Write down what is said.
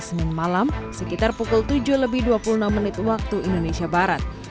senin malam sekitar pukul tujuh lebih dua puluh enam menit waktu indonesia barat